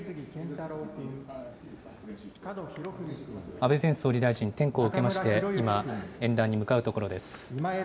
安倍前総理大臣、点呼を受けまして、今、演壇に向かうところです。